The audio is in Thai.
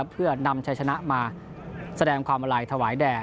เพื่อนำชัยชนะมาแสดงความอาลัยถวายแด่